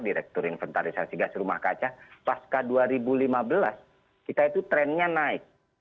direktur inventarisasi gas rumah kaca pasca dua ribu lima belas kita itu trennya naik